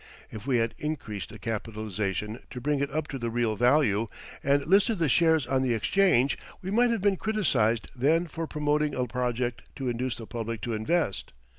If we had increased the capitalization to bring it up to the real value, and listed the shares on the Exchange, we might have been criticized then for promoting a project to induce the public to invest.